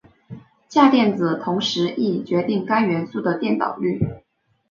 价电子同时亦决定该元素的电导率。